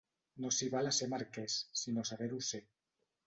No s'hi val a ser marquès, sinó saber-ho ser.